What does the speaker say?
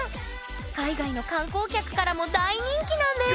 海外の観光客からも大人気なんです